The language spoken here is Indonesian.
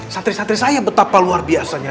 santri santri saya betapa luar biasanya